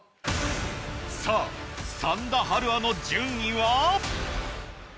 さぁ三田春愛の順位は？